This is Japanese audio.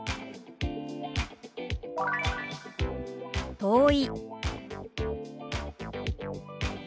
「遠い」。